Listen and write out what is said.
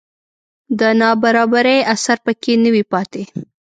د نابرابرۍ اثر په کې نه وي پاتې